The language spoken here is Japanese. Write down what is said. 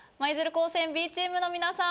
高専Ｂチームの皆さん